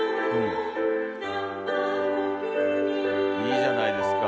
いいじゃないですか。